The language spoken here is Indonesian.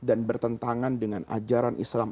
dan bertentangan dengan ajaran islam